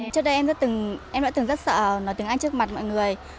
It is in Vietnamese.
trước đây em đã từng rất sợ nói tiếng anh trước mặt mọi người